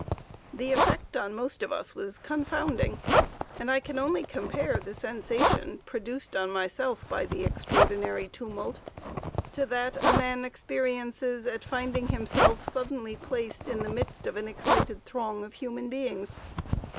"The effect on most of us was confounding, and I can only compare the sensation produced on myself by the extraordinary tumult to that a man experiences at finding himself suddenly placed in the midst of an excited throng of human beings.